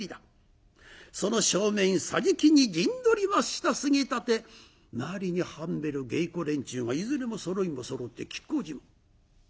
その正面桟敷に陣取りました杉立周りにはんべる芸子連中がいずれもそろいもそろって亀甲縞。